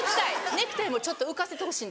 ネクタイもちょっと浮かせてほしいんですよ。